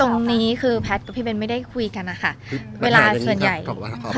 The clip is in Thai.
ตรงนี้คือแพทย์กับพี่เบ้นไม่ได้คุยกันนะคะเวลาส่วนใหญ่